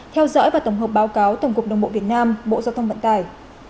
theo dõi và tổng hợp báo cáo tổng cục đồng bộ việt nam bộ giao thông vận tải